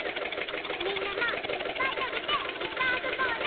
みんなもいっぱいたべていっぱいあそぼうね！